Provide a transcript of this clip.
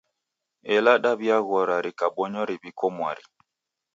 Ela dawi'aghora rikabonywa riw'iko mwari.